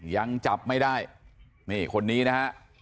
ยังจับไม่ได้นี่คนนี้นะฮะ